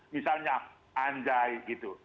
misalnya anjai gitu